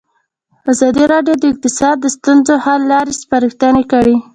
ازادي راډیو د اقتصاد د ستونزو حل لارې سپارښتنې کړي.